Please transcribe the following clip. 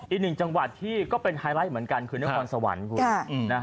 อีกหนึ่งจังหวัดที่ก็เป็นไฮไลท์เหมือนกันคือนครสวรรค์คุณ